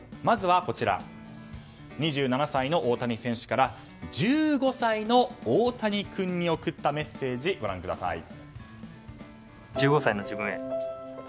まずは、２７歳の大谷選手から１５歳の大谷君に送ったメッセージです。